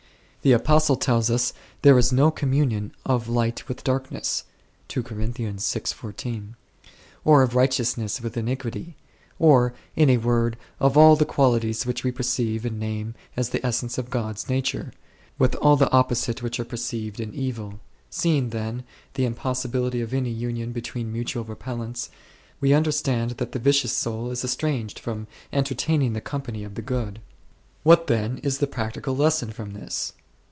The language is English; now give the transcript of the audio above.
The Apostle tells us there is "no communion of light with darkness6," or of righteousness with iniquity, or, in a word, of all the qualities which we perceive and name as the essence of God's nature, with all the opposite which are perceived in evil. Seeing, then, the impossibility of any union between mutual repellents, we under stand that the vicious soul is estranged from entertaining the company of the Good. What then is the practical lesson from this?